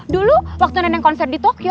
dulu waktu neneng konser di tokyo